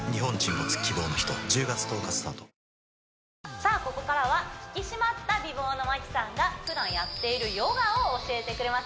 さあここからは引き締まった美貌の麻希さんがふだんやっているヨガを教えてくれますよ